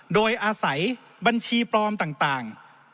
โดยอาศัยบัญชีปลอมต่าง